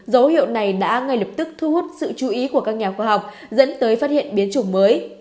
dấu hiệu này đã ngay lập tức thu hút sự chú ý của các nhà khoa học dẫn tới phát hiện biến chủng mới